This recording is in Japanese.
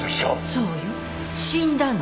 そうよ死んだの。